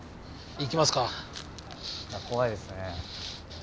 いや怖いですね。